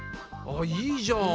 あいいじゃん。